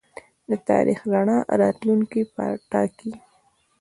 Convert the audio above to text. د تاریخ رڼا راتلونکی ټاکي.